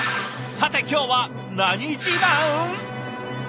さて今日は何自慢？